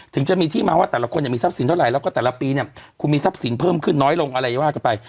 ถึงจะมีที่มาว่าแต่ละคนเนี่ยมีทรัพย์สินเท่าไหร่แล้วก็แต่ละปีเนี่ยคุณมีทรัพย์สินเพิ่มขึ้นน้อยลงอะไรว่ากันไป